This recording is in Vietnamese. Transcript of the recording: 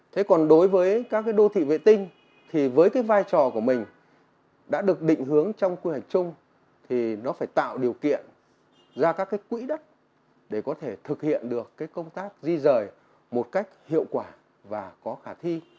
thế còn đối với các đô thị vệ tinh thì với cái vai trò của mình đã được định hướng trong quy hoạch chung thì nó phải tạo điều kiện ra các quỹ đất để có thể thực hiện được công tác di rời một cách hiệu quả và có khả thi